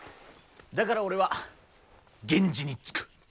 だから俺は源氏につく。